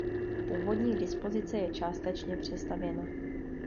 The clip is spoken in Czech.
Původní dispozice je částečně přestavěna.